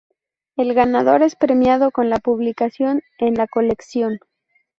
El ganador es premiado con la publicación en la colección.